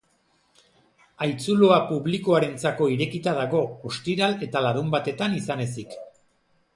Haitzuloa publikoarentzako irekita dago, ostiral eta larunbatetan izan ezik.